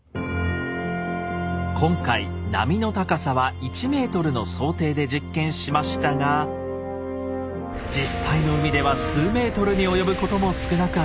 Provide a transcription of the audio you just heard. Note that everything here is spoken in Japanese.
今回波の高さは１ｍの想定で実験しましたが実際の海では数メートルに及ぶことも少なくありません。